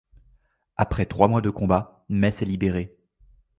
Après trois mois de combats, Metz est libérée.